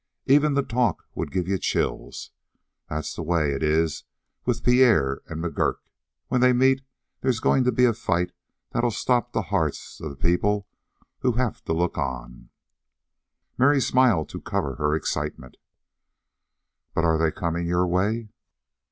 Even the talk would give you chills. That's the way it is with Pierre and McGurk. When they meet there's going to be a fight that'll stop the hearts of the people that have to look on." Mary smiled to cover her excitement. "But are they coming your way?"